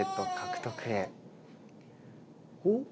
おっ？